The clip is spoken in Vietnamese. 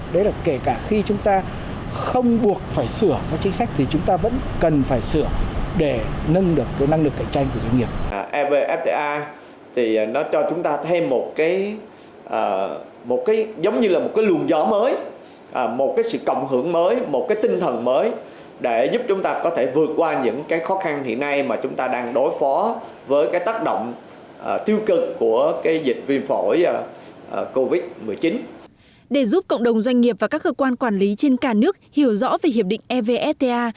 để giúp cộng đồng doanh nghiệp và các cơ quan quản lý trên cả nước hiểu rõ về hiệp định evfta